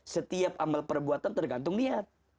setiap amal perbuatan tergantung niat